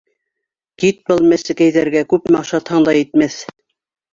— Кит, был мәсекәйҙәргә күпме ашатһаң да етмәҫ!